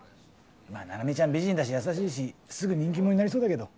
まあ菜々美ちゃん美人だし優しいしすぐ人気者になりそうだけど。